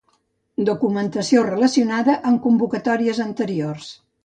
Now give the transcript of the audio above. Documentació relacionada amb convocatòries anteriors.